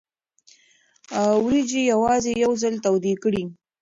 وریجې یوازې یو ځل تودې کړئ.